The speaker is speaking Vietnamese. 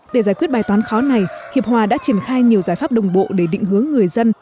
để giải quyết bài toán khó này hiệp hòa đã triển khai nhiều giải pháp đồng bộ để định hướng người dân